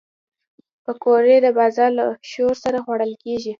پکورې د بازار له شور سره خوړل کېږي